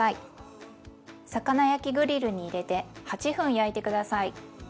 魚焼きグリルに入れて８分焼いて下さい。